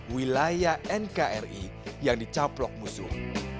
wilayah nkri yang dicaplok musuh